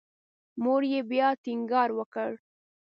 مور یې بیا ټینګار وکړ.